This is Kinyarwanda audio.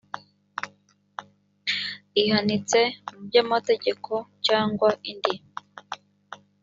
ihanitse mu by amategeko cyangwa indi